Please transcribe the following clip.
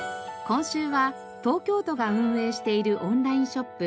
今週は東京都が運営しているオンラインショップ